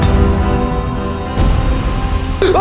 udah sana pergi